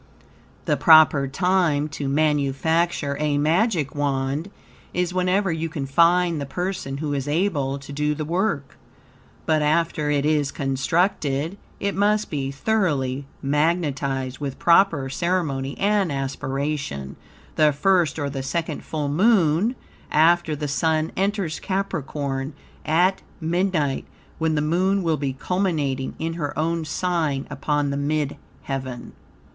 The proper time to manufacture a Magic Wand is whenever you can find the person who is able to do the work. But after it is constructed it must be thoroughly magnetized, with proper ceremony and aspiration, the first or the second full Moon after the Sun enters Capricorn, at midnight, when the Moon will be culminating in her own sign upon the mid heaven.